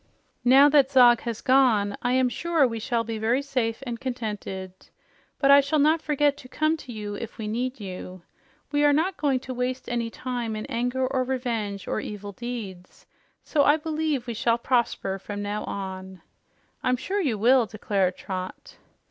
"Now that Zog has gone, I am sure we shall be very safe and contented. But I shall not forget to come to you if we need you. We are not going to waste any time in anger or revenge or evil deeds, so I believe we shall prosper from now on." "I'm sure you will," declared Trot.